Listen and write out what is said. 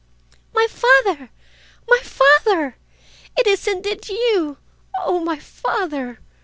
"My father, my father! It is indeed you—oh, my father!"